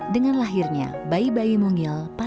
dengan lahirnya bayi bayi mungil pasca gempa